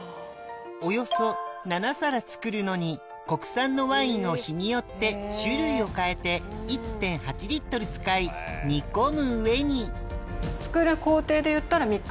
およそ７皿作るのに国産のワインを日によって種類を変えて１．８使い煮込む上に３日間！